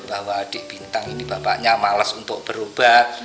bahwa di bintang ini bapaknya males untuk berubah